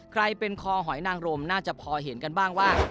ใครเป็นคอหอยนางรมน่าจะพอเห็นกันบ้างว่า